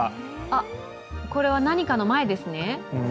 あっ、これは何かの前ですね？